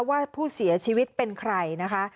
ว่าผู้เสียชีวิตเป็นใครนะคะ